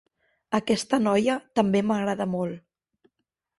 Aquesta noia també m'agrada molt.